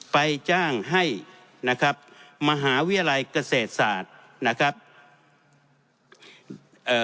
ไปจ้างให้นะครับมหาวิทยาลัยเกษตรศาสตร์นะครับเอ่อ